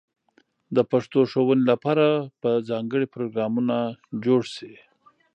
د پښتو ښوونې لپاره به ځانګړې پروګرامونه جوړ شي.